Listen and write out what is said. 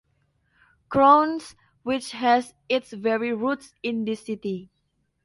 Krones, which has its very roots in this city.